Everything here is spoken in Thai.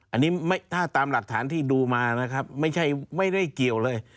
อันนี้ถ้าตามหลักฐานที่ดูมานะครับไม่ใช่ไม่ได้เกี่ยวเลย